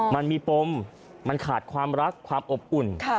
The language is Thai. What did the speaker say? มันมีปมมันขาดความรักความอบอุ่น